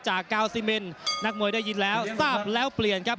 กาวซีเมนนักมวยได้ยินแล้วทราบแล้วเปลี่ยนครับ